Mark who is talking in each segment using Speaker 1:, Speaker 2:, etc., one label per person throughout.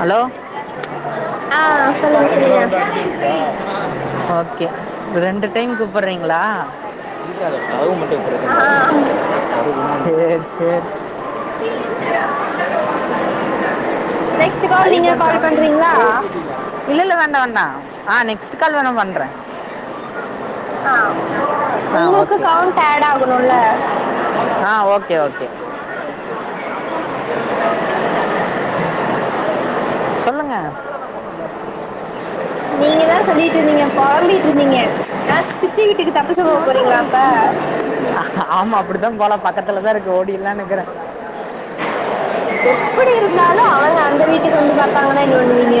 Speaker 1: hello
Speaker 2: ஆ சொல்லுங்க
Speaker 1: ல்லாம்
Speaker 2: சொல்லுங்க
Speaker 1: வந்து அ இருா [unintelligible] ஓகே ரெண்டு டைம் கூப்பிடறீங்களா
Speaker 2: ஆஹ் ஆஹ்
Speaker 1: சேரி சேரி
Speaker 2: நெக்ஸ்ட் கால் நீங்க
Speaker 1: ஐபன்
Speaker 2: கால்
Speaker 1: ஃபேமிலி
Speaker 2: பண்றீங்களா
Speaker 1: ப்ரோ போ இல்ல இல்ல வே [unintelligible] [unintelligible] ஆ நெக்ஸ்ட் கால் வேணா பண்றேன்
Speaker 2: ஆஹ் உங்களுக்கும் கவுண்ட் ஆட் ஆகணுமில்லே
Speaker 1: ஆஹ் ஓகே ஓகே
Speaker 2: ம்
Speaker 1: சொல்லுங்க
Speaker 2: நீங்கதான் சொல்லிட்டு இருந்தீங்க புலம்பிட்டு இருந்தீங்க ஏ சித்தி வீட்டுக்கு தப்பு சம்பவ போறீங்களா அப்போ
Speaker 1: ஆமா அப்படித்தான் போலாம் பக்கத்துலதான் இருக்கு ஓடிலாம்னு இருக்கிறேன்
Speaker 2: எப்படி இருந்தாலும் அவங்க அந்த வீட்டுக்கு வந்து பார்த்தாங்கன்னா என்ன பண்ணுவீங்க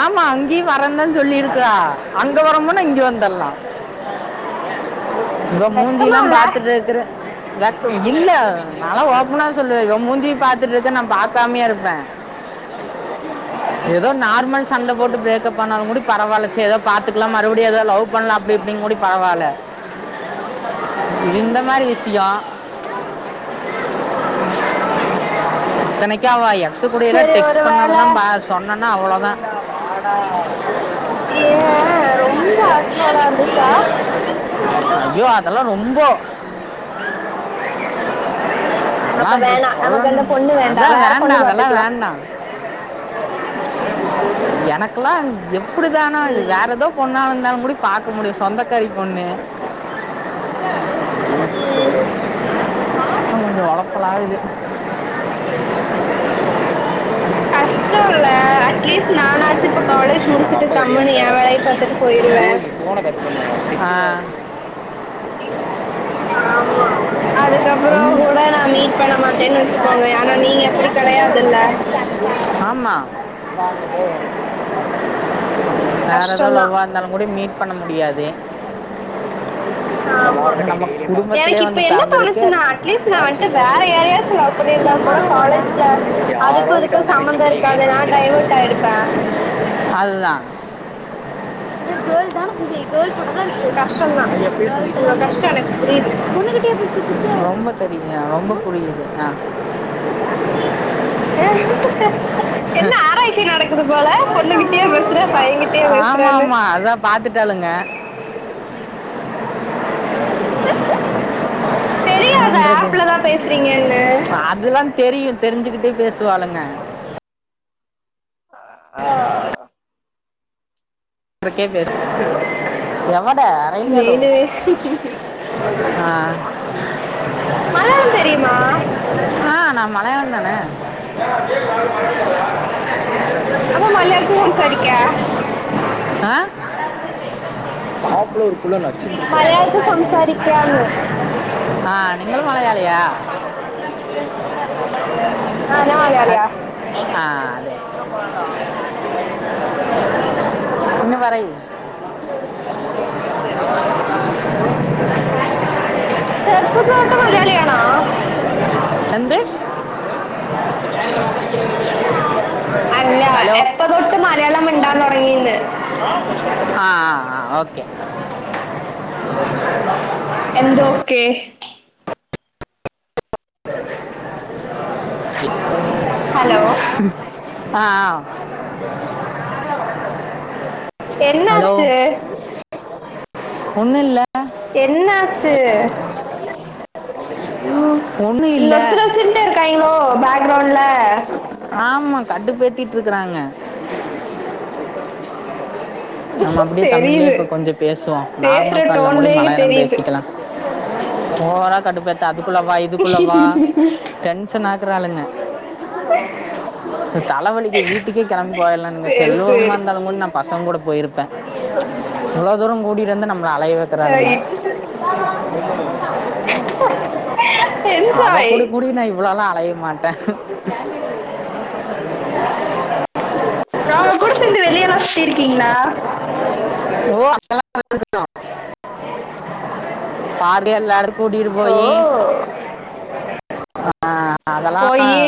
Speaker 1: ஆமா இப் சித்தி வரந்தன்னு சொல்லிருக்கா அங்க வரும்போன்ன நான் இங்க வந்துடலாம் இவ மூஞ்சி
Speaker 2: வெக்கமா
Speaker 1: எல்லாம்
Speaker 2: இல்ல
Speaker 1: பார்த்துட்டு இருக்கற இல்ல நல்லா ஓபனா சொல்வேன் இவ மூஞ்சிய பாத்துட்டு இருக்க நான் பாக்காமமயே இருப்பேன் ஏதோ போய் சண்டை போட்டு பிரேக்கப் பண்ணாலும் கூடி பரவாயில்ல ஏதோ பாத்துக்கலாம் மறுபடியும் ஏதோ லவ் பண்ணலாம் அப்படி இப்படின்னு கூடி பரவாயில்ல இந்த
Speaker 2: ம்
Speaker 1: மாதிரி விஷயம் தனக்கே ஆவா என் தூத்துக்குடியில
Speaker 2: சரி ஒரு
Speaker 1: டெஸ்ட்
Speaker 2: வேள
Speaker 1: பண்ணதெல்லாம் சொன்ன னே அவ்வளோதான்
Speaker 2: ஏன் ரொம்ப அக்கோலா இருந்துச்சா
Speaker 1: ஐயோ அதெல்லாம் ரொம்ப
Speaker 2: அப்ப வேணா நமக்கு அந்த பொண்
Speaker 1: அதாவேண்டா அதெல்லா வேண்டா எனக்கெல்லா எ ப்படிதானோ இது வேற
Speaker 2: ம்
Speaker 1: எதோ பொண்ணா இருந்தாலு எப்படி பாக்க முடியு சொந்தக்காரி பொண்ணு
Speaker 2: உம்
Speaker 1: கொஞ்சோ ஒலப்பல் ஆகுது
Speaker 2: கஷ்டோ இல்ல அட்லீஸ்ட் நானாச்சு இப்ப காலேஜ்
Speaker 1: அவங்க
Speaker 2: முடிச்சுட்டு
Speaker 1: அப்பா வெளியே
Speaker 2: கம்முனு ஏ
Speaker 1: வந்துட்டாரு அப்போ
Speaker 2: வேலைய பாத்துட்டு போயிருவ
Speaker 1: போய் ஃபோனை கட் பண்ணுவாங்க [inaudible]
Speaker 2: ஆமா அதுக்கப்புறோ கூட
Speaker 1: ஒண்ணு-
Speaker 2: நா மீட் பண்ண மாட்டேனு வெச்சு க்கோங்க ஆனா நீங்க அப்படி கெடையாதுல்ல
Speaker 1: ஆமா வேற எதோ
Speaker 2: கஷ்டந்தா
Speaker 1: லவ்வா இருந்தாலுங் கூட மீட் பண்ண முடியாது
Speaker 2: ஆமா
Speaker 1: நம்ம குடும்பத்திலே
Speaker 2: எனக்கு இப்ப
Speaker 1: வந்து
Speaker 2: என்ன
Speaker 1: பிறந்திருக்கு
Speaker 2: தோணுச்சுனா அட்லீஸ்ட் நா வந்துட்டு வேற யாரையாச்சு லவ் பண்ணிருந்தா கூட காலேஜ் ல
Speaker 1: யாரோ
Speaker 2: அதுக்கு
Speaker 1: கிட்ட
Speaker 2: இதுக்கு
Speaker 1: அவன் தங்கச்சி
Speaker 2: சம்மந்தோ
Speaker 1: கிளிகளேன்னு
Speaker 2: இருக்காது நான் டைவர்ட்
Speaker 1: குளிக்கிறான்
Speaker 2: ஆயிடுப்ப
Speaker 1: அதுதான் கேர்ள் கேர்ள் போட்டோ தான் இருக்கு
Speaker 2: கஷ்டந்தா
Speaker 1: கேர்ள்ட
Speaker 2: உங்க
Speaker 1: தான்
Speaker 2: கஷ்டோ
Speaker 1: பேசுரான்
Speaker 2: எனக்கு புரியுது
Speaker 1: பொண்ணுகிட்டயா பேசிட்டிருக்க ஏ ரொம்ப புரியுது ஆ
Speaker 2: என்ன ஆராய்ச்சி நடக்குது போல பொண்ணு கிட்டய பேசுற பையன்கிட்டயா
Speaker 1: ஆமாம்
Speaker 2: பேசுறனு
Speaker 1: ஆமாம் அதான் பார்த்துட்டாளுங்க என்ன
Speaker 2: தெரியாத
Speaker 1: பண்றது
Speaker 2: ஆப்லதா பேசுறீங்கன்னு
Speaker 1: ப்ச் அதெல்லா தெரியு தெரிஞ்சுக்கிட்டே பேசுவாளுங்க
Speaker 2: ஆஹ்
Speaker 1: இருக்கே பேச எவ
Speaker 2: வீடு
Speaker 1: ஆ
Speaker 2: மலையாளம் தெரியுமா
Speaker 1: ஆஹ் நா மலையாலந்தானே
Speaker 2: அப்ப மலையாலத்தில் சம்சாரிக்கா
Speaker 1: ஆஹ் [unintelligible] ஆஹ் நிங்கள் மலையாளியா
Speaker 2: ஆஹ் நா மலையாளியா
Speaker 1: அத்- ஆ அதே பின்ன பரையு
Speaker 2: [inaudible] சர்ப்பு தோட்ட மலையாளியானா
Speaker 1: வந்து [inaudible]
Speaker 2: அல்ல
Speaker 1: ஹலோ
Speaker 2: எப்போதோட்ட மலையாளம் மிண்டான் தொடங்கி இன்னு
Speaker 1: ஆஹ் ஆஹ ஆ ஓகே
Speaker 2: எந்தோக்கே
Speaker 1: உஹம் ஆஹ்
Speaker 2: என்னாச்சு
Speaker 1: ஒண்ணும் இல்ல
Speaker 2: என்ன ஆச்சு உம்
Speaker 1: ஒண்ணும் இல்ல
Speaker 2: நொச்சு நொச்சுண்டே இருக்காங்ய்களோ பேக்ரௌண்ட்ல
Speaker 1: றுக்குறாங்க நம்ம அப்டியே தமிழ்லயே
Speaker 2: தெரியுது
Speaker 1: இப்ப கொஞ்சம பேசுவோம்
Speaker 2: பேசுற
Speaker 1: நார்மல் கால்ல முடி
Speaker 2: டோன்லயே
Speaker 1: மலையாளம்
Speaker 2: தெரியுது
Speaker 1: பேசிக்கலாம் ஓவரா கடுப்பேத்தாதி அதுகுள்ளவா இதுக்குள்ளவா டென்ஷனா குறாளுங்க தலவலிக்குது வீட்டுக்கே கெளம்பி போயற்லாங்க
Speaker 2: சேரி
Speaker 1: செல்லோருமா
Speaker 2: சேரி
Speaker 1: இருந்தாலும் கூட நான் பத் உங்கூட போயிருப்பேன் இவ்ளவு தூரம் கூட்டிட்வந்து நம் ல அலைய வைக்கறாளுங்க
Speaker 2: ஆஹ
Speaker 1: அவ குடி குடினா இவ்வளல்லாம் பைய மாட்டேன்
Speaker 2: அவங்க கூட சேந்து வெளியல்லாம் சுத்திர்கீங்ளா
Speaker 1: ஓ அதலாம் [inaudible] பார் [unintelligible] எல்லாரு கூட்டீட்டு
Speaker 2: ஓ
Speaker 1: போயி
Speaker 2: போயி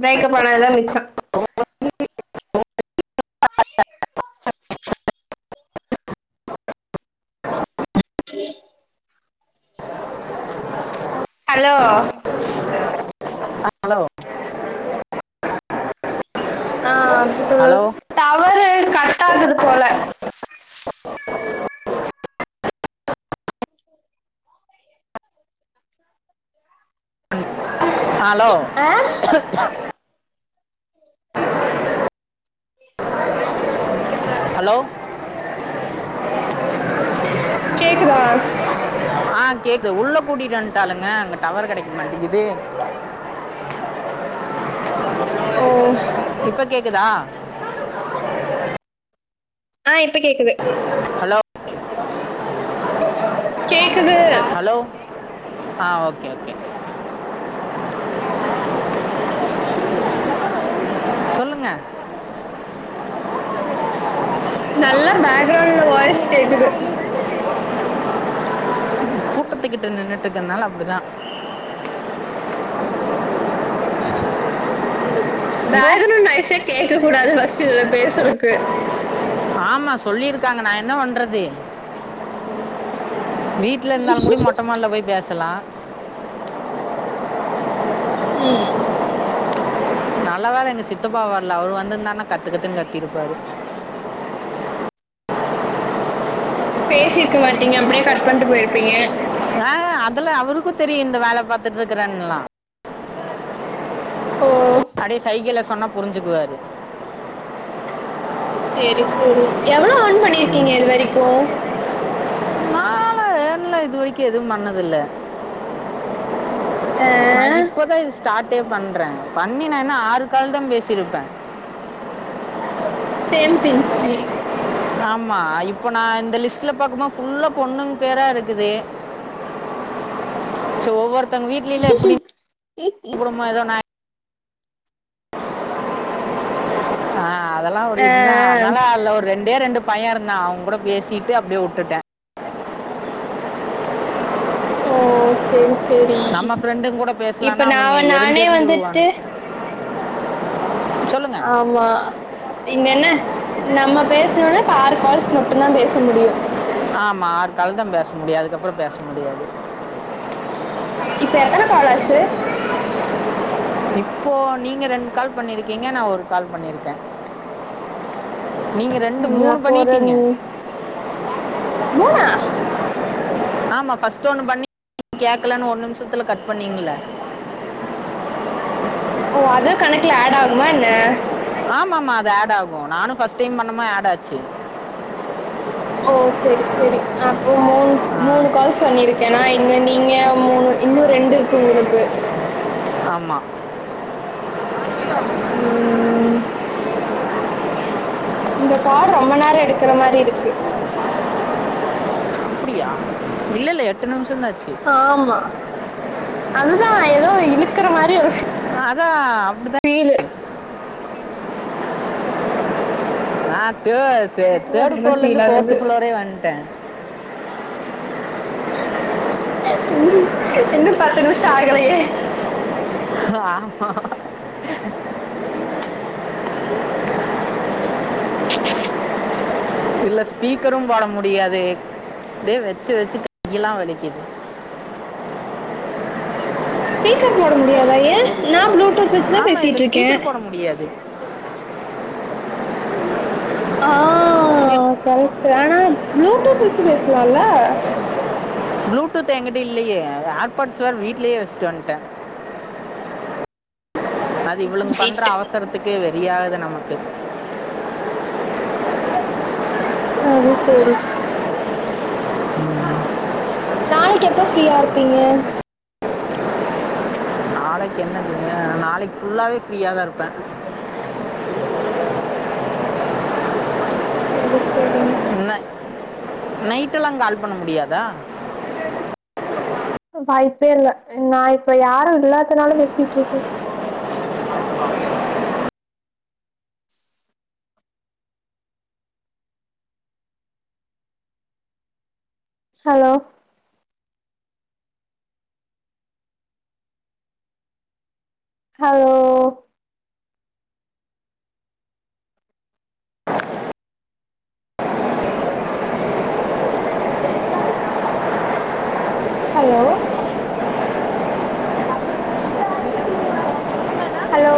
Speaker 2: பிரேக்கப் ஆனதுதா மிச்சம்
Speaker 1: [inaudible]
Speaker 2: உஹம் ஹலோ
Speaker 1: ஆ ஹலோ
Speaker 2: ஆஹ்
Speaker 1: ஹலோ
Speaker 2: [unintelligible] டவரு கட் ஆகுது போல
Speaker 1: ஹலோ
Speaker 2: ஆ
Speaker 1: ஹலோ
Speaker 2: கேக்குதா
Speaker 1: ஆ கேக்குது உள்ள கூட்டிட்டு வன்ட்டாளுங்க அங்க டவரூ கெடைக்க மாட்டங்குது
Speaker 2: ஓ
Speaker 1: இப்ப கேக்குதா
Speaker 2: ஆ கேக்குது
Speaker 1: ஹலோ
Speaker 2: கேக்குது
Speaker 1: ஹலோ ஆ ஓகே ஓகே
Speaker 2: [inaudible]
Speaker 1: சொல்லுங்க
Speaker 2: நல்லா பேக்ரவுண்ட்ல வாய்ஸ் கேக்குது
Speaker 1: கூட்டத்துகிட்ட நின்னுட்டு இருக்கனால அப்டிதா
Speaker 2: [inaudible]
Speaker 1: இப்போ
Speaker 2: பேக்ரவ்ன்ட் வாய்ஸே கேக்க கூடாது ஃபஸ்ட் இத்ல பேசுறக்கு
Speaker 1: ஆமா சொல்லிருக்காங்க நா என்ன பண்றது வீட்ல இருந்தாலு கூட மொட்ட மாடில போய் பேசலா
Speaker 2: ம்
Speaker 1: நல்ல வேல எங்க சித்தபா வர்ல அவரு வந்துருந்தார்னா கத்து கத்துனு கத்திருப்பாரு
Speaker 2: பேசிருக்க மாட்டீங்க அப்டியே கட் பண்ட்டு போய்ருப்பீங்க
Speaker 1: ஆ ஹ அதலா அவருக்கு தெரியு இந்த வேல பாத்துட்ருக்றேன்ல்லா
Speaker 2: ஓ
Speaker 1: அப்டி சைகைல சொன்னா புரிஞ்சுக்குவாரு
Speaker 2: சேரி சேரி எவ்ளோ ஏன் பண்ணிருக்கீங்க இது வரைக்கூ
Speaker 1: நாலா ஏர்ன்லா இதுவரைக்கி எதும் பண்ணது இல்ல
Speaker 2: ஆ அ
Speaker 1: ஸ்டாட்டே பண்றே பண்ணி நா என்ன ஆறு கால் தா பேசிருப்ப
Speaker 2: சேம் பின்ஞ்ச்
Speaker 1: ஆமா இப்போ நா இந்த லிஸ்ட்ல பாக்கு மோ ஃபுல்லா பொண்ணுங் பேரா இருக்குது சோ ஒவ்வொ தங் வீட்லில்லா எப்டி [unintelligible] தோ ஒன்னு ஆ அதெல்லா ஒரு இதுதா அத்னால அல்ல ஒரு ரெண்டே ரெண்டு பையருந்தா அவுங்க கூட பேசிட்டு அப்டியே வுட்டுட்டே
Speaker 2: ஓ செரி செரி
Speaker 1: நம்ம ஃப்ரெண்டுங்க கூட
Speaker 2: இப்ப
Speaker 1: பேசலாம்னா
Speaker 2: நா
Speaker 1: அவனுங்க
Speaker 2: அவ நானே
Speaker 1: எரிஞ்செரிஞ்சு
Speaker 2: வந்துட்டு
Speaker 1: விழுவானுங்க சொல்லுங்க
Speaker 2: ஆமா இங்க என்ன நம்ம பேசனொன ஆறுகால்ஸ் மட்டு தா பேச முடியு
Speaker 1: ஆமா ஆறுகால் தா பேச முடியு அதுகப்றோ பேச முடியாது
Speaker 2: இப்ப எத்தன காலாச்சு
Speaker 1: இப்போ நீங்க ரெண்டு கால் பண்ணிருக்கீங்க நா ஒரு கால் பண்ணிருக்கே நீங்க ரெண்டு
Speaker 2: ம்
Speaker 1: மூணு
Speaker 2: அப்போ ஒரு
Speaker 1: பண்ணிட்டீங்க
Speaker 2: மூணா
Speaker 1: ஆமா ஃபர்ஸ்ட் ஒண்ணு பண்ணி கேக்கலனு ஒரு நிமிஷத்துல கட் பண்ணிங்களே
Speaker 2: ஓ அதுவும் கணக்குல ஆட் ஆகுமா என்ன
Speaker 1: ஆமா ஆமா அது ஆட் ஆகும் நானும் ஃபர்ஸ்ட் டைம் பண்ணும்போ ஆட் ஆச்சு
Speaker 2: ஓ சேரி சேரி அப்போ மூணு
Speaker 1: ஆ,
Speaker 2: மூணு கால்ஸ் பண்ணிருக்கேன்னா இன்னும் நீங்க மூணு இன்னும் ரெண்டு இருக்கு உங்களுக்கு
Speaker 1: ஆமா
Speaker 2: ம் இந்த கால் ரொம்ப நேரம் எடுக்கற மாரி இருக்கு
Speaker 1: அப்படியா இல்ல இல்ல எட்டு நிம்
Speaker 2: ஆமா அது தா ஏதோ இழுக்கற மாரி ஒரு ஃபி
Speaker 1: அதா
Speaker 2: பீலு
Speaker 1: ஆ தே சே
Speaker 2: எனக்குமே
Speaker 1: தேர்ட்
Speaker 2: அப்டிதா
Speaker 1: ஃப்ளோர்ல
Speaker 2: ஃபீல்
Speaker 1: இருந்து ஃபோர்த்
Speaker 2: ஆகுது
Speaker 1: ஃப்ளோரே வந்துட்டே
Speaker 2: இன்னும் இன்னும் பத்து நிமிஷம் ஆகலையே
Speaker 1: ஆமா இதுல ஸ்பீக்கரு போட முடியாது அப்டியே வச்சு வச்சு கையெலா வலிக்குது
Speaker 2: ஸ்பீக்கர் போட முடியாதா ஏன் நா ப்ளூ டூத் வச்சி தா
Speaker 1: ஆமா இல்ல
Speaker 2: பேசிட்டு இருக்கே
Speaker 1: ஸ்பீக்கர் போட முடியாது
Speaker 2: ஆ கரெக்ட் ஆனா ப்ளூடூத் து வச்சு பேசலாம்ல
Speaker 1: ப்ளூடூத் எங்கிட்ட இல்லையே ஏர்பா்ட்ஸ் வேற வீட்லயே வச்சிட்டு வந்துட்ட அது
Speaker 2: ம்
Speaker 1: இவளுங்க பண்ற
Speaker 2: ரைட்டு
Speaker 1: அவசரத்துக்கு வெரி ஆகுது நமக்கு
Speaker 2: அது சேரி நாளைக்கு எப்ப ஃப்ரீயா இருப்பீங்க
Speaker 1: நாளைக்கு என்னக்குங்க நாளைக்கு ஃபுல்லாவே ஃப்ரீயாதா இருப்பே
Speaker 2: சேரி சேரி
Speaker 1: நைட் எல்லா கால் பண்ண முடியாதா
Speaker 2: வாய்ப்பே இல்ல நான் இப்ப யாரும் இல்லாத்தனால பேசிட்டு இருக்கே ஹலோ ஹலோ ஹலோ ஹலோ